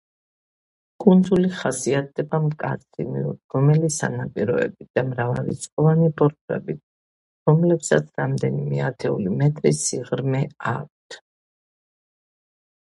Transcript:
კუნძული ხასიათდება მკაცრი, მიუდგომელი სანაპიროებით და მრავალრიცხოვანი ბორცვებით, რომლებსაც რამდენიმე ათეული მეტრი სიმაღლე აქვთ.